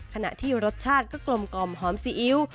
ขณะที่รสชาติก็กลมหอมซีอิ๊ว